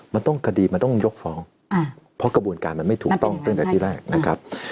มันต้องคดีมันต้องยกฟ้องเพราะกระบวนการมันไม่ถูกต้องตั้งแต่ที่แรกนะครับ